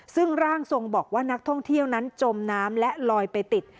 ซึ่งร่างทรงบอกว่านักท่องเที่ยวนั้นจมน้ำและลอยไปติด